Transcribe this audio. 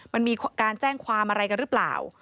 มันมีการแจ้งความอะไรกันหรือเปล่า